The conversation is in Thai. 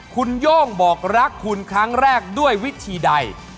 คุณโย่งบอกรักคุณครั้งแรกด้วยวิธีใด